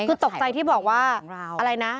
คือตกใจที่บอกว่าอะไรนะ